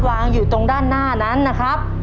วางอยู่ตรงด้านหน้านั้นนะครับ